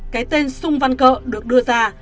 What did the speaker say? cái tên xung văn cỡ được đưa ra